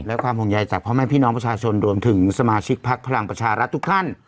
และความห่วงใยจากพ่อแม่พี่น้องประชาชนรวมถึงสมาชิกพักพลังประชารัฐทุกท่าน